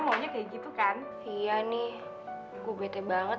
menggunakan psikterian saya